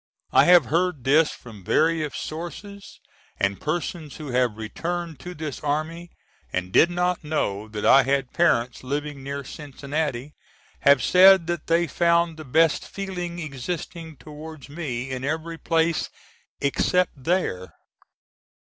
I have heard this from various sources and persons who have returned to this Army and did not know that I had parents living near Cincinnati have said that they found the best feeling existing towards me in every place except there.